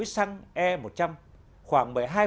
xăng e một trăm linh khoảng một mươi hai